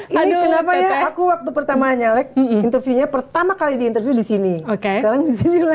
ini kenapa ya aku waktu pertama nyalek interviewnya pertama kali diinterview disini sekarang disini lagi